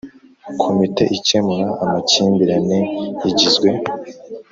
Komite ikemura amakimbirane igizwe